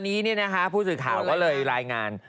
วันนี้ผู้สื่อข่าวก็เลยรายงาน